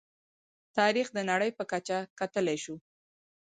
تاریخ د نړۍ په کچه کتلی شو.